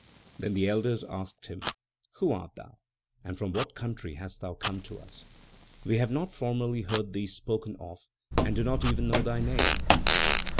Then the elders asked him: "Who art thou, and from what country hast thou come to us? We have not formerly heard thee spoken of and do not even know thy name!"